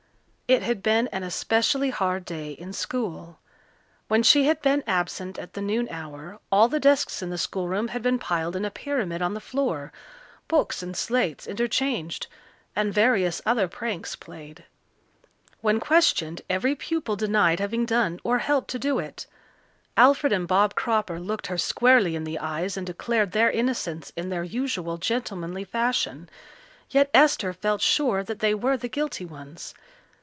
It had been an especially hard day in school. When she had been absent at the noon hour all the desks in the schoolroom had been piled in a pyramid on the floor, books and slates interchanged, and various other pranks played. When questioned every pupil denied having done or helped to do it. Alfred and Bob Cropper looked her squarely in the eyes and declared their innocence in their usual gentlemanly fashion, yet Esther felt sure that they were the guilty ones.